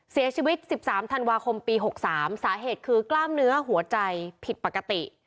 เสียชีวิต๑๓ธันวาคมปี๖๓สาเหตุคือกล้ามเนื้อหัวใจผิดปกติ